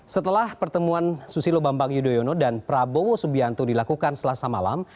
setelah pertemuan susilo bambang yudhoyono dan prabowo subianto dilakukan selasa malam